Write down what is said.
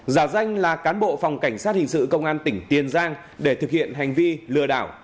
giả danh là cán bộ phòng cảnh sát hình sự công an tỉnh tiền giang để thực hiện hành vi lừa đảo